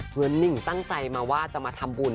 เหมือนหนิ่งตั้งใจมาว่าจะมาทำบุญ